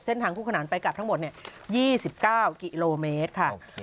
เส้นทางคู่ขนานไปกลับทั้งหมดเนี่ยยี่สิบเก้ากิโลเมตรค่ะโอเค